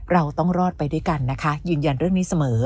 เราต้องรอดไปด้วยกันนะคะยืนยันเรื่องนี้เสมอ